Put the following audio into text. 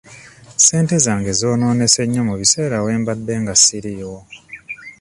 Ssente zange zoonoonese nnyo mu biseera we mbeeredde nga siriiwo.